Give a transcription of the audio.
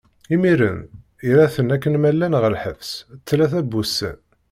Imiren, irra-ten akken ma llan ɣer lḥebs, tlata n wussan.